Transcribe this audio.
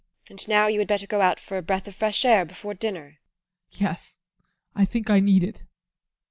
And now you had better go out for a breath of fresh air before dinner. ADOLPH. Yes, I think I need it.